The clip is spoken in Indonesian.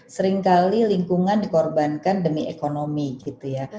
seringkali lingkungan dikorbankan demi ekonomi gitu ya